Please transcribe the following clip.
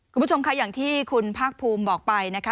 คุณผู้ชมค่ะอย่างที่คุณภาคภูมิบอกไปนะคะ